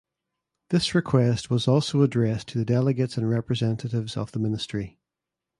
This request was also addressed to the delegates and representatives of the ministry.